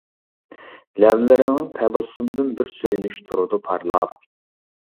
لەۋلىرىڭنىڭ تەبەسسۇمىدىن بىر سۆيۈنۈش تۇرىدۇ پارلاپ.